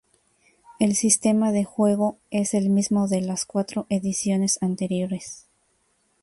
El sistema de juego es el mismo de las cuatro ediciones anteriores.